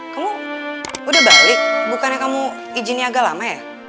kamu udah balik bukannya kamu izinnya agak lama ya